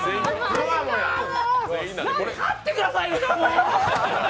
勝ってくださいよ、もう。